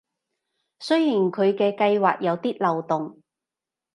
雖然佢嘅計畫有啲漏洞